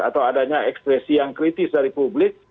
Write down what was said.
atau adanya ekspresi yang kritis dari publik